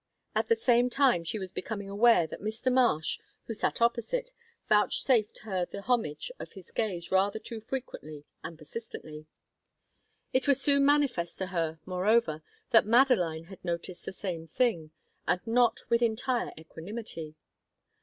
At the same time she was becoming aware that Mr. Marsh, who sat opposite, vouchsafed her the homage of his gaze rather too frequently and persistently. It was soon manifest to her, moreover, that Madeline had noted the same thing, and not with entire equanimity.